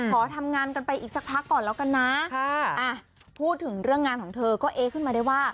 ขอทำงานกันไปอีกสักพักก่อนแล้วกันนะพูดถึงเรื่องงานของเธอก็เอ๊ขึ้นมาได้ว่า